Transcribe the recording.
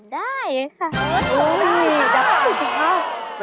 ได้ค่ะ